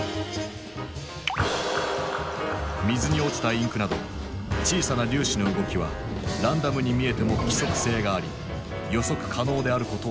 水に落ちたインクなど小さな粒子の動きはランダムに見えても規則性があり予測可能であることを証明した。